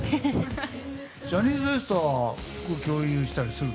ジャニーズＷＥＳＴは服共有したりするの？